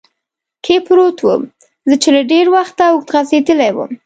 کې پروت ووم، زه چې له ډېر وخته اوږد غځېدلی ووم.